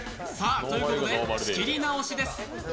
ということで仕切り直しです。